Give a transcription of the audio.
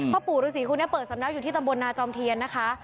ปู่ฤษีคนนี้เปิดสำนักอยู่ที่ตำบลนาจอมเทียนนะคะ